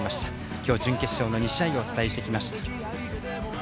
今日、準決勝の２試合をお伝えしてきました。